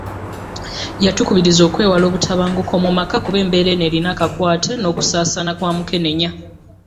Yabakubirizza okwewala obutabanguko mu maka kuba embeera eno erina akakwate n’okusaasaana kwa Mukenenya